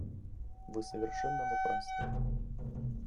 Вы совершенно напрасно.